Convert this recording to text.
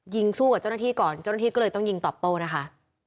สู้กับเจ้าหน้าที่ก่อนเจ้าหน้าที่ก็เลยต้องยิงตอบโต้นะคะ